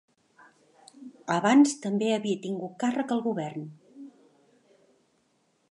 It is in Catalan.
Abans també havia tingut càrrec al govern.